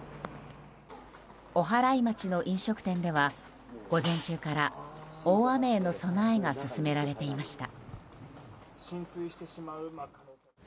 おはらい町の飲食店では午前中から大雨への備えが進められていました。